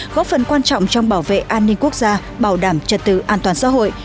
góp phần quan trọng trong bảo vệ an ninh quốc gia bảo đảm trật tự an toàn xã hội